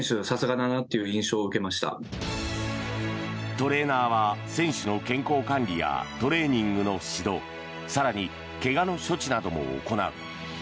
トレーナーは選手の健康管理やトレーニングの指導更に怪我の処置なども行う。